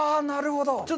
なるほど。